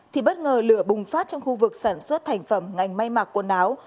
thì bất ngờ lửa bùng phát trong khu vực sản xuất thành phẩm ngành may mặc quần áo